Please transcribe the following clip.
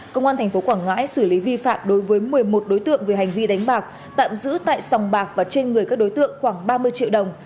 công an tp quảng ngãi xử lý vi phạm đối với một mươi một đối tượng về hành vi đánh bạc tạm giữ tại sòng bạc và trên người các đối tượng khoảng ba mươi triệu đồng